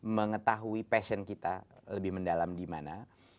mengetahui passion kita lebih mendalam dimana